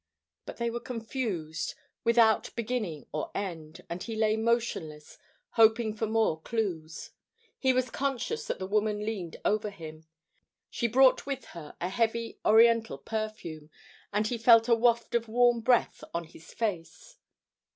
But they were confused, without beginning or end; and he lay motionless, hoping for more clues. He was conscious that the woman leaned over him. She brought with her a heavy oriental perfume, and he felt a waft of warm breath on his face.